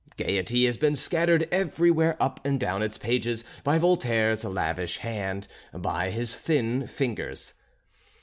Gaiety has been scattered everywhere up and down its pages by Voltaire's lavish hand, by his thin fingers.